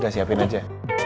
gak siapin aja